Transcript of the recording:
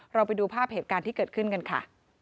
ไปดูภาพเหตุการณ์ที่เกิดขึ้นกันค่ะ